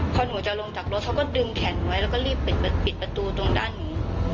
พอหนูจะลงจากรถเขาก็ดึงแขนไว้แล้วก็รีบปิดประตูตรงด้านนี้